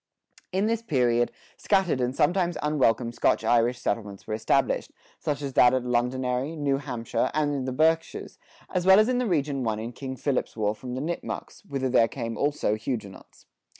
In this period, scattered and sometimes unwelcome Scotch Irish settlements were established, such as that at Londonderry, New Hampshire, and in the Berkshires, as well as in the region won in King Philip's War from the Nipmucks, whither there came also Huguenots.